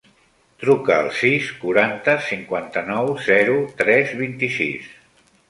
Truca al sis, quaranta, cinquanta-nou, zero, tres, vint-i-sis.